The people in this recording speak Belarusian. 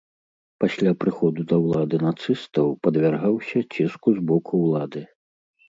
Пасля прыходу да ўлады нацыстаў падвяргаўся ціску з боку ўлады.